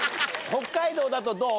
北海道だとどう？